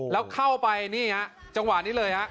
แล้วเข้าไปนี่ฮะจังหวะนี้เลยฮะ